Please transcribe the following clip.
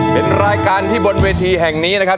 เป็นรายการที่บนเวทีแห่งนี้นะครับ